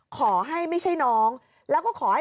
ขอให้ไม่ใช่น้องแล้วก็ขอให้